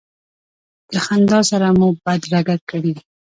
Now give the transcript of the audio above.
د خندا سره به مو بدرګه کړې.